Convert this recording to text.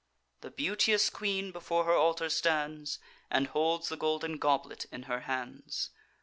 The beauteous queen before her altar stands, And holds the golden goblet in her hands.